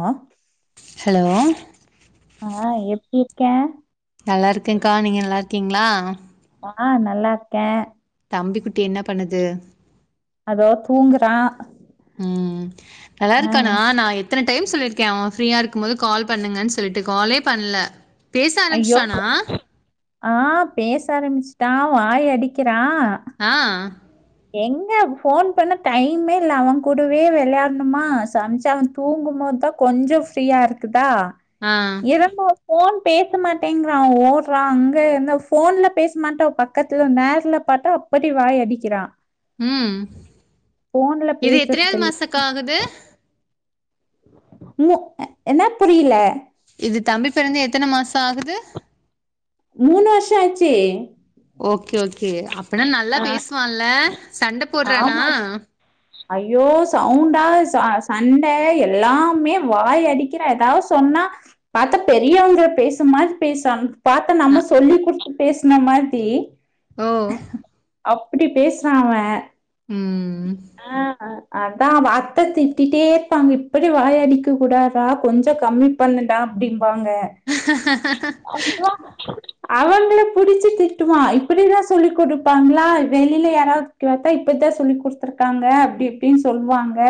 ஆ hello ஆ எப்டி இருக்கே நல்லாருக்கேன்கா நீங்க நல்லாருக்கீங்ளா ஆ நல்லாருக்கே தம்பி குட்டி என்னா பண்ணுது அதோ தூங்குறா ம் ஆ நல்லாருக்கானா நா எத் எத்ன டைம் சொல்லிருக்கே ஃப்ரீயா இருக்கும்போது கால் பண்ணுங்கன்னு சொல்ட்டு காலே பண்ல ஐயோ ஆ பேச ஆரம்பிச்சிட்டா வாய் அடிக்கிறா ஆ எங்க ஃபோன் பண்ணா டைமே இல்ல அவன் கூடவே விளாட்ணுமா சம்ச்சா தூங்கும்போதுதா கொஞ்சோ ஃப்ரீயா இருக்குதா ஆ எழும்பா போன் பேச மாட்டேங்கிறா ஓடுறா அங்க இருந்த போன்ல பேச மாட்டே பக்க பக்கத்துல நேர்ல பாத்தா அப்படி வாய் அடிக்கிறா ம் போன்ல இது பேசுறது எத்தனையாவது மாசக்கா இல்லையா ஆகுது மு என்ன புரியல இது தம்பி பிறந்த எத்தனைமாசம் ஆகுது மூணு வருஷம் ஆச்சே ஓகே ஓகே அப்படினா நல்லா ஆ பேசுவான்ல சண்டை போடுறானா ஆமா ஐயோ சவுண்டா ச சண்டை எல்லாமே வாய் அடிக்கிறேன் ஏதாவது சொன்னா பாத்தா பெரியவங்க பேசும் மாரி பேசா பாத்தா நம்ம அ- சொல்லி் குடுத்து பேசின மாரி ஓ அப் எப்டி பேசுறா அவே உம் ஆ அத்தான் அவ அத்த திட்டிட்டே இருப்பாங்க இப்படி வாய் அடிக்க கூடாதா கொஞ்சோ கம்மி பண்ணுடா அப்டிம்பாங்க ஹ அய்யா கு [unintelligible] டு அவங்கள புடிச்சு திட்டுவான் இப்டிதான் சொல்லி் குடுப்பாங்களா வெளில யாராவ்து இப்டி வளத்தா இப்பத்தான் சொல்லி குடுத்துருக்காங்க அப்டி அப்டின்னு சொல்வாங்க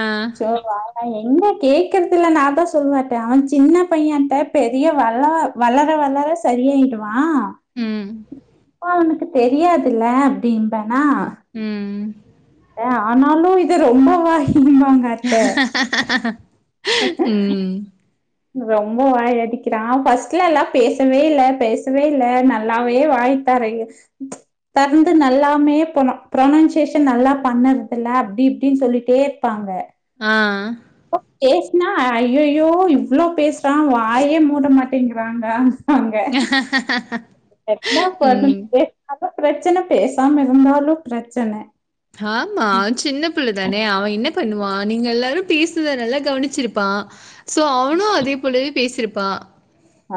ஆ அவே எங்க கேக்குறதுல நான்தா சொல்லுவேட்டே அவே சின்ன பையே த்த பெரிய வல வளர வளர சரியாயிடுவான் ம் அவனுக்கு தெரியாதுல்ல அப்டிம்பேனா ம் ஆனாலும் இது ரொம்ப வாயிம்பாங்க ஹா ஹா ரொம்ப வாய் அடிக்கிறான் ஃபஸ்ட்ல எல்லா பேசவே இல்ல பேசவே இல்ல நல்லாவே வாய் தாரெ உ தந்து நல்லாமே ப்னொ ப்ரொனன்சேஷன் நல்லா பண்ணறதுல்ல அப்டி இப்டின்னு சொல்லிட்டே இருப்பாங்க ஆ இப்ப பேசுனா அய்யய்யோ இவளோ பேசுறா வாயே மூட மாட்டேங்க்றான்டா ம்பாங்க ஹ என்னா பண்ண பேசுனாலு ப்ரச்சன பேசாம இருந்தாலு ப்ரச்சன ஆமா சின்ன பிள்ளதான அவே என்ன பண்ணுவா நீங்க எல்லாரும் பேசுறத நல்லா கவனிச்சிருப்பா ஸோ அவனு அதேபோலவே பேசியிருப்பான்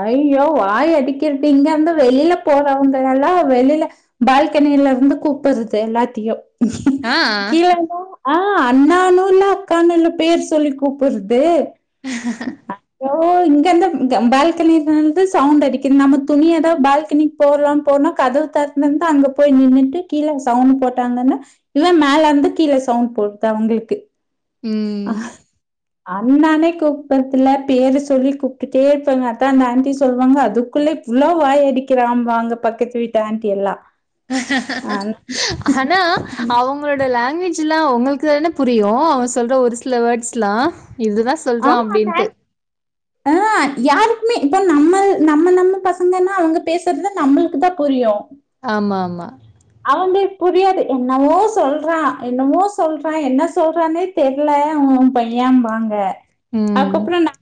ஐயோ வாய் அடிக்கறது இங்க வந்து வெளில போறவுங்கலெல்லா வெளில பால்கனியில இருந்து கூப்பறது எல்லாத்தையு ஆ. கீழ வா ஆ அண்ணானுல்ல அக்கானு இல்ல பேர் சொல்லி கூப்பறது ஹ அஹோ இங்கெந்து பால் பால்கனிலருந்துவுண்ட் அடிக்குது நம்ம துணியதா பால்கனி போலாம் போனா கதவு தர் முந்தா அங்க போய் நின்னுட்டு கீழே சவுண்ட் போட்டாங்கன்னா இவே மேலருந்து கீழ சவுண்ட் போட்தா அவுங்களுக்கு உம் அண்ணானே கூப்பறதில பேரு சொல்லி கூப்டுட்டே இருப்பாங்க அதான் அந்த ஆன்ட்டி சொல்வாங்க க்ஷ அதுக்குள்ள இவ்ளோ வாய் அடிக்கிறான் ம்பாங்க பக்கத்து வீட்டு ஆனர ட்டி எல்லாம்வல்ல ஞ் அது அவுங்களோட லாங்குவேஜ் எல்லா உங்களுக்கு தானே புரியும் அவே சொல்ற ஒரு சில வேர்ட்ஸ் எல்லா இதுதான் சொல்றான் ஆமா அப்டின்ட்டு. மேன் ஆ யாருக்குமே இப்ப நம்ம நம்ம நம்ம பசங்கன்னா அவுங்க பேசுறத நம்மளுக்கு தா புரியு ஆம்மா ஆமா அவுங்களுக் புரியாது என்னமோ சொல்றா என்னமோ சொல்றான் என்ன சொல்றானே தெர்ல ஓ பையேம்பாங்க ம். அதுக்கப்றோ நா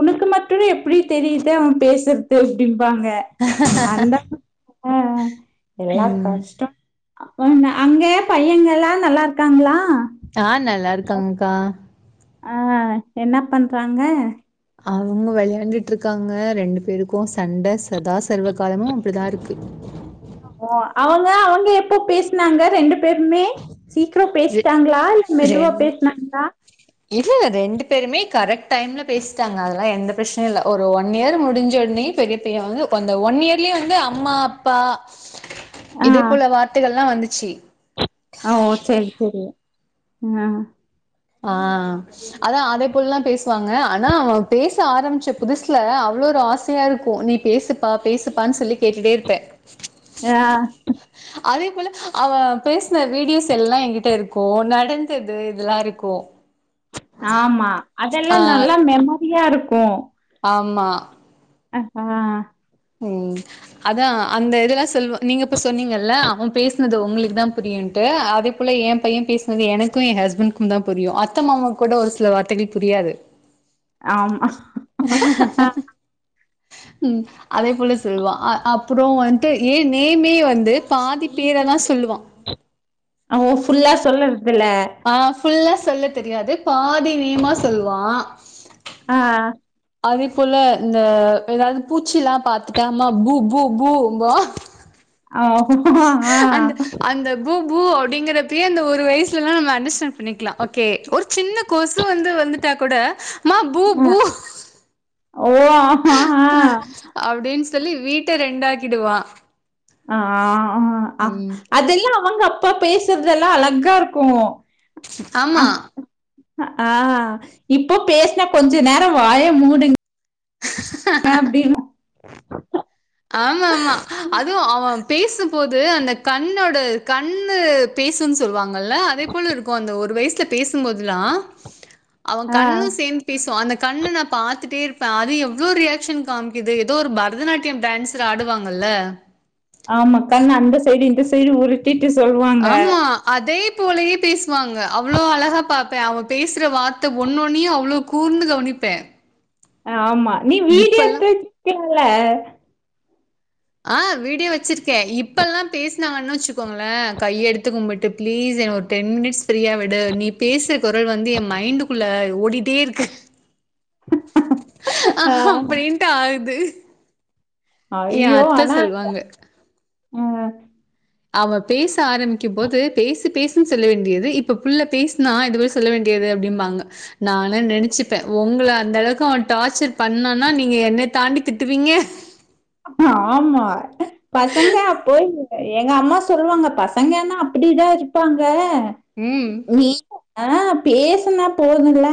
உனுக்கு மட்டும் எப்டி தெரியுது அவே பேசுறது அப்டிம்பாங்க அப்டிம்பாங்க அந்த எல்லா ம். கஷ் அங் அங்க பையங்கல்லா நல்லா இருக்காங்களா ஆ நல்லா இருக்காங்க்கா ஆ என்ன பண்றாங்க அவங்க வெளையாண்டுட்டு இருக்காங்க ரெண்டு பேருக்கும் சண்ட சதாசர்வகாலமு அப்டிதா இருக்கு ஓ அவங்க அவங்க எப்போ பேசுனாங்க ரெண்டு பேருமே சீக்கிரம் ரெ பேசிட்டாங்களா இல்ல மெதுவா ரெண் பேசனாங்களா இல்ல ரெண்டு பேருமே கரெக்ட் டைம்ல பேசிட்டாங்க அதெல்லா எந்த பிரச்சனயும் இல்ல ஒரு ஒன் இயர் முடிஞ்சோனே பெரிய வந்து அந்த ஒன் இயர்லயே வந்து அம்மா அப்பா [inaudible] இதே போல வார்த்தைகள்ல்லா வந்துச்சி ஆ ஓ செரி செரி ம் ஆ ஆ அதான் அதே போல்லா பேசுவாங்க ஆனா அவ பேச ஆரம்பிச்ச புதுசுல அவ்ளோ ஒரு ஆசையா இருக்கும் நீ பேசுப்பா பேசுப்பான்னு சொல்லி கேட்டுட்டே இருப்பே ஆ அதே போல அவ பேசுன வீடியோஸ் எல்லா எங்கிட்ட இருக்கோம் நடந்தது இதெல்லாருக்கோம் ஆமா அதெல்லா ஆ நல்லா மெமரியா இருக்கோம் ஆமா அ ஆ ம் அதான் அந்த இதெல்லா செய்வ நீங்க இப்ப சொன்னீங்கல்ல அவன் பேசுனது உங்களுக்கு தா புரியும்ட்டு அத ள்ள என் பையன் பேசினது எனக்கும் என் ஹஸ்பண்டுக்கும் தா புரியும் அத்த மாமாவுக்கு கூட ஒரு சில வார்த்தைகள் புரியாது [inaudible] ம் அதே போல சொல்வான் அப்றம் வந்துட்டு ஏன் நேமே வந்து பாதி பேர தா சொல்லுவான் அவன் ஃபுல்லா சொல்றதுல ஆ ஃபுல்லா சொல்ல தெரியாது பாதி நேமா சொல்வான் ஆ அதே போல இந்த ஏதாவது பூச்சில்லாம் பாத்துட்டானா பூ பூ பூ ன்பா அவே [unintelligible] ஆ அந்த பூ பூ அப்டிங்கறப்பியே அந்த ஒரு வயசுலல்லா நம்ம அண்டர்ஸ்டாண்ட் பண்ணிக்கலாம் ஓகே ஒரு சின்ன கொசு வந்து வந்துட்டா கூட மா பூ பூ ஓ அ அப்டின்னு சொல்லி வீட்ட ரெண்டாக்கிடுவான் ஆ ம் அதெல்லா அவங்க அப்பா பேசுறதெல்லா அழகா இருக்கும் ஆமா ஆ இப்போ பேசுன கொஞ்ச நேரம் வாய மூடுங் அப்டினா ஆமாமா அதுவும் அவன் பேசும்போது அந்த கண்ணோட கண்ணு பேசும் சொல்வாங்கல்ல அதே போல இருக்கும் அந்த ஒரு வய்சுல பேசும்போதுல்லா அவன் ஆ கண்ணும் சேந்து பேசு அந்த கண்ண நான் பாத்துட்டே இருப்பே அது எவ்வளோ ரியாக்க்ஷன் காமிக்குது ஏதோ ஒரு பரதநாட்ட [unintelligible] டான்சர் ஆடுவாங்கல்ல ஆமா கண்ணு அந்த சைடு இந்த சைடு உருட் டிட்டு சொல்வாங் ஆமா அதே போலயே பேசுவாங்க அவ்ளோ அழகா பாப்பே அவ பேசுற வார்த்த ஒன்னு ஒன்னையு அவ்ளோ கூர்ந்து கவனிப்பே ஆமா நீ வீடிய எடுத்து வெச்க்கீங்ல ஆ வீடியோ வெச்சிருக்கே இப்ப எல்லா பேசினாங்கன்னு வெச்சுக்கோங்களே கைய எடுத்து கும்பிட் ட்டு பிளீஸ் என்ன ஒரு டென் மினிட்ஸ் ஃப்ரீயா விடு நீ பேசுற குரல் வந்து எ மைண்டுக்குள்ள ஓடிட்டே இருக்கு ஆ அப்டின்ட்டு ஆகுது என் ஐயோ அத்தை ஆன சொல்லுவாங்க. அ அவ பேச ஆரம்பிக்கும் போது பேசு பேசுன் சொல்ல வேண்டியது இப்ப புள்ள பேஸ்னா இந்த வயஸ் சொல்ல வேண்டியது அப்டிம்பாங்க நாலா நெனச்சுப்பே உங்கள அந்த அளவுக்கு அவ டார்ச்சர் பண்ணானா நீங்க என்ன தாண்டி திட்டுவீங்க ஆம்மா பசங்க அப் போய் எங்க அம்மா சொல்வாங்க பசங்கேனா அப்டிதா இருப்பாங்க ம். நீ ஆ பேசனா போதுல்ல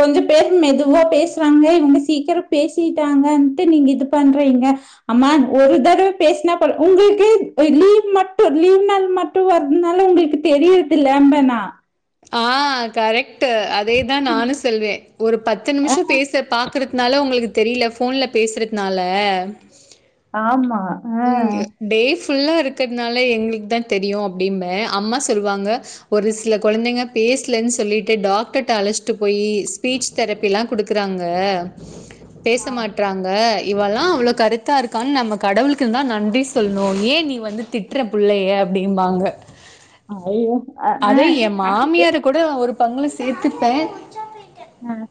கொஞ்ச பேர் மெதுவா பேசுறாங்களே இவங்க சீக்கிர பேசிட்டாங்கன்ட்டு நீங்க இது பண்றீங்க ஆம்மா ஒரு தடவ பேசனா போரு உங்குளுக்கே ஒ லீவ் மட்டு லீவ் நாள் மட் ட்டு வருதுனால உங்குளுக்கு தெரியறதில்ல [unintelligible] ஆ கரெக்ட்டு அதேதா நானு செல்வே ஒரு பத்து ஆ நிமிஷோ பேசர் பாக்கர்து ன்னால உங்களுக்கு தெரியில ஃபோன்ல பேசறத்னால ஆம்மா ம் டே ஃபுல்லா இருக்றத்னால எங்களுக்கு தா தெரியு அப்டின்னு அம்மா சொல்வாங்க ஒரு சில கொழந்தைங்க பேசலன் சொல்லிட்டு டாக்டர்ட்ட அழச்சிட்டு போயி ஸ்பீச் தெரப்பிலா குடுக்குறாங்க பேச ஆ. மாட்றாங்க இவெல்லா அவ்ளோ கருத்தா இருக்கான் நம்ம கடவுள் க்குந்தா நன்றி சொல்ணு ஏ நீ வந்து திட்ற புள்ளய அப்டிம்பாங்க அ அய்யய்யோ அ ஆ குடு ஒரு பங்குல சேத்துப்பே ம்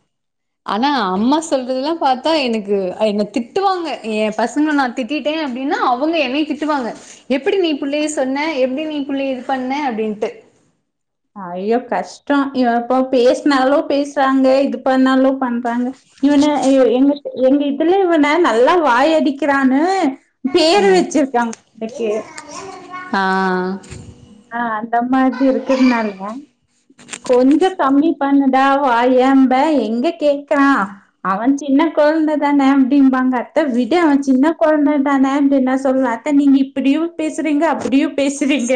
ஆனா அம்மா சொல்றதெல்லா பாத்தா எனக்கு என்ன திட்டுவாங்க எ பசங்கள நா திட்டிட் டே அப்டின்னா அவங்க என்னை திட்டுவாங்க எப்டி நீ புள்ளய சொன்ன எப்டி நீ புள்ளய இது பண்ணே அப்டின்ட்டு ஐயோ கஷ்டோ எப்ப பேசனாலு பேசுறாங்க இது பண்ணாலு பண்றாங்க இவன எங்க எங்க இதுல இவன நல்லா வாய் அடிக்கிறானு பேரு வெச்சிருக்காங்க [unintelligible] ஆ ஆ அந்த மாத்ரி இருக்குறனாலதா கொஞ்ச கம்மி பண்ணுடா வாயேம்பே எங்க கேக்றா அவன் சின்ன கொழந்த தானே அப்டிம்பாங்க அத்த விடு அவ சின்ன கொழந்த தானே அப்டின் நா சொல்வே அத்த நீங்க இப்டியு பேசுறீங்க அப்டியு பேசுறீங்க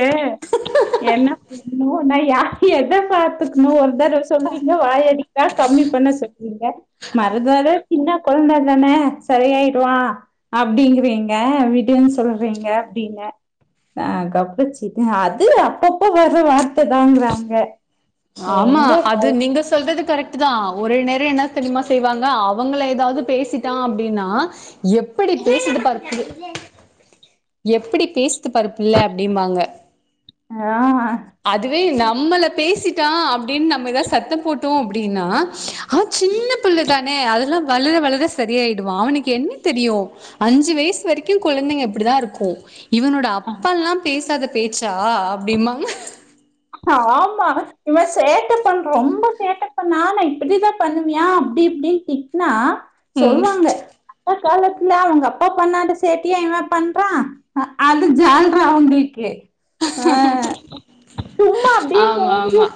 என்னப் ஐயோ நா யார் எத பாத்துக்ணு ஒரு தடவ சொல்வீங்க வாய் அடிக்றா கம்மி பண்ண சொல்வீங்க மறதட சின்ன கொழந்த தானே சரியாயிடுவா அப்டிங்குறீங்க விடுன் சொல்றீங்க அப்டின்னு அ [unintelligible] இது அது அப்பப்ப வர்ற வார்த்ததாங்றாங்க ஆமா அது நீங்க சொல்றது கரெக் ட்டுதா ஒரு நேர என்ன தெரியுமா செய்வாங்க அவங்கள ஏதாது பேசிட்டா அப்டின்னா எப்படி பேசுது பாரு [unintelligible] எப்படி பேசுது பாரு புள்ள அப்படிம்மாங்க அ ஆ அதுவே நம்மள பேசிட்டா அப்டின் நம்ம ஏதா சத்தம் போட்டோ அப்டின்னா அவ சின்ன புள்ள தானே அதெல்லா வளர வளர சரியாயிடுவா அவுனுக்கு என்ன தெரியு அஞ்சு வயசு வரைக்கு குழந்தைங்க இப்படிதா இருக்கு இவனு ட அப்பன்ல்லா பேசாத பேச்சா அப்டிமாங்க ஆமா இவ சேட்ட பண்ற ரொம்ப சேட்டைப்பண்ணாம இப்டிதா பண்ணுவியா அப்டி இப்டின் திட்னா ம் சொல்வாங்க அந்த காலத்துல அவுங்க அப்பா பண்ணாத சேட்டையா இவ பண்றா ஆ அது ஜால்ரா அவுங்கிள்க்கு ஆ சும்மா அப்டியே மூஞ்சிய ஆமாமா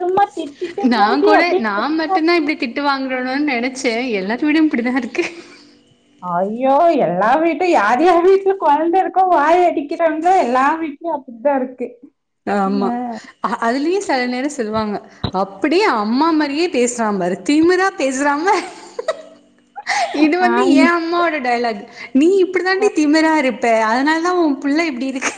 சும்மா திட்டிட்டு நா மூஞ்சிய கூட அப்டியே நா மட்டுந்தா இப்டி தி ட்டு வாங்கரனோ நெனைச்சே எல்லாத்து வீடு இப்டிதா இருக்கு அய்யோ எல்லா வீட்டு யார் யார் வீட்ல கொழந்த இருக்கோ வாய் அடிக்கிறாங்ளோ எல்லா வீட்லயு அப் டிதா இருக்கு ஆமா அ அதுலையு சில நேரோ சொல்வாங்க அப்படியே அம்மா மாரியே பேசுறா பாரு திமுறா பேசுறா பா இது வந்து ஆ எ அம்மாவோட டைலாக் நீ இப்டி தாண்டி திமுறா இருப் ப அதனால தா உ புள்ள இப்டி இருக்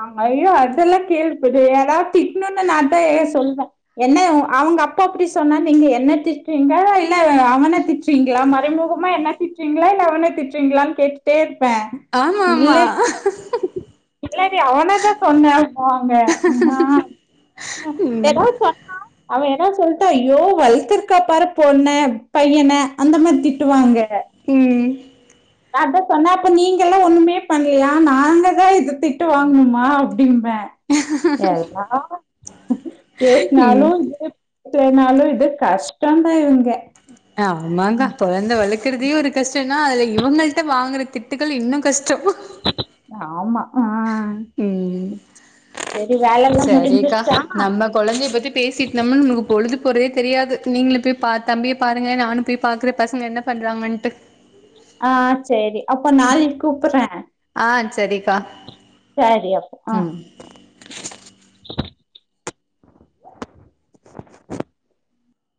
ஆ ஐயோ அதெல்லா கேட்பது ஏதா திட்னுனா நா [unintelligible] சொல்வே என்ன அ அவுங்க அப்பா அப்டி சொன்னா நீங்க என்ன திட்றீங்க இல்ல அவன திட் றீங்ளா மறைமுகமா என்ன திட்றீங்ளா இல்ல அவன திட்றீங்ளான் கேட்டுட்டே இருப்பே இல்ல ஆமாம்மா இல்லடி அவன தா சொன்னேன்வாங்க ஏதாவது சொன்னா அவ ஏதாவ்து சொல்ட்டா ஐயோ வள்த்துருக்கா பாரு பொண்ண பையன அந்த மாரி திட்டுவாங்க ம் நா அதா சொன்ன அப்ப நீங்க எல்லா ஒண்ணுமே பண்லையா நாங்கதா இது திட்டு வாங்கணுமா அப்டின்பே எல்லா ம் பேசுனாலு [inaudible] பேசுலனாலு இது கஷ்டோந்தா இவுங்க ஆமாங்க கொழந்த வளக்கறதே ஒரு கஷ்டோனா அதுல இவுங்கள்ட்ட வாங்கற திட்டுக்கள் இன்னு கஷ்டோ ஆமா ஆ ம் சேரி வேல எல்லா சரிக்கா முடிஞ்சிருச்சா நம்ம கொழந்தைய பத்தி பேசிட்டு இந்தம் ன் நம்ளுக்கு பொழுது போறதே தெரியாது நீங்களு போய் பா தம்பியே பாருங்க நானும் போய் பாக்றே பசங்க என்ன பண்றாங்கட்டு ஆ சேரி அப்போ நாளைக்கு கூப்பட்றே ஆ சரிக்கா சரி அப்போ ஆ ம்